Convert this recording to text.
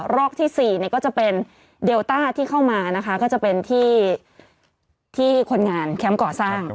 รอกที่๔ก็จะเป็นเดลต้าที่เข้ามานะคะก็จะเป็นที่คนงานแคมป์ก่อสร้าง